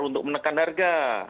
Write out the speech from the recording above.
untuk menekan harga